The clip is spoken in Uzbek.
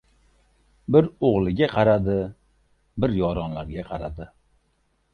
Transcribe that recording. Bir o‘g‘liga qaradi, bir yoronlarga qaradi.